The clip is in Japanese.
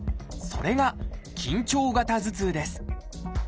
それが「緊張型頭痛」です。